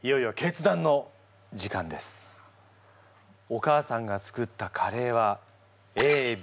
お母さんが作ったカレーはＡＢＣ